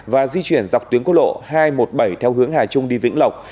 và di chuyển dọc tuyến cốt lộ hai trăm một mươi bảy theo hướng hà trung đi vĩnh lộc